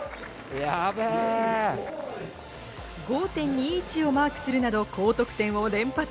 ５．２１をマークするなど高得点を連発。